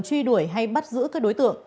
truy đuổi hay bắt giữ các đối tượng